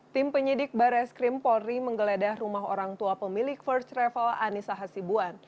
tim penyidik barres krim polri menggeledah rumah orang tua pemilik first travel anissa hasibuan